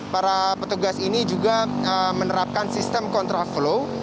para petugas ini juga menerapkan sistem kontraflow